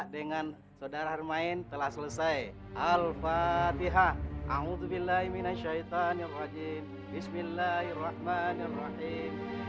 dengan saudara hermain telah selesai al fatihah audzubillahiminasyaitanirrojim bismillahirrohmanirrohim